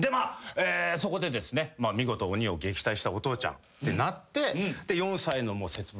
そこでですね見事鬼を撃退したお父ちゃんってなって。